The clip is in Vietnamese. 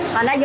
phủ trang vô